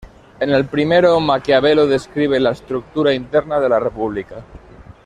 En el primero, Maquiavelo describe la estructura interna de la república.